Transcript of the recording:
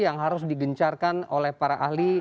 yang harus digencarkan oleh para ahli